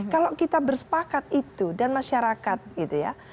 kalau kita bersepakat itu dan masyarakat gitu ya